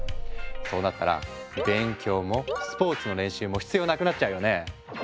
そうなったら勉強もスポーツの練習も必要なくなっちゃうよね。